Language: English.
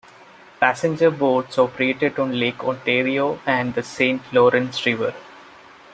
Passenger boats operated on Lake Ontario and the Saint Lawrence River.